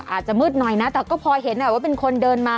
อาจจะมืดหน่อยนะแต่ก็พอเห็นว่าเป็นคนเดินมา